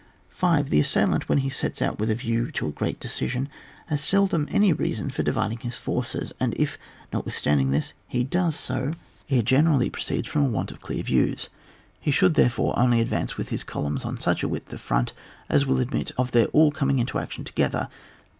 5. The assailant, when he sets out with a view to a great decision, has seldom any reason for dividing his forces, and if, not withstanding this, he does so, it generally 20 OK TTAR. [booilyil proceeds from a want of clear views. He should therefore only advance with his columns on such a width of front as will admit of their all coming into action together.